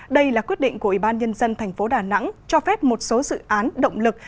đây là quyết định của ủy ban nhân dân thành phố đà nẵng cho phép một số dự án động lực